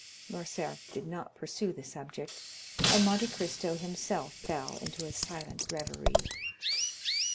Morcerf did not pursue the subject, and Monte Cristo himself fell into a silent reverie.